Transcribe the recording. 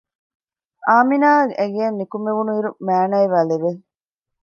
އާމިނާއަށް އެގެއިން ނިކުމެވުނު އިރު މައިނޭވާ ލެވެ